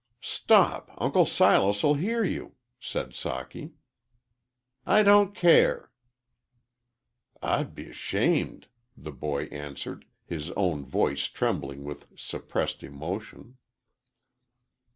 "Stop, Uncle Silas 'll hear you," said Socky. "I don't care." "I'd be 'shamed," the boy answered, his own voice trembling with suppressed emotion.